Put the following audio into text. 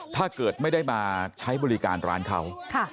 ถ้าเกิดไม่ได้มาใช้บริการร้านเขา